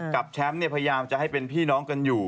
กับแชมป์พยายามจะให้เป็นพี่น้องกันอยู่